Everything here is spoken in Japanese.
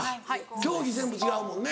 競技全部違うもんね。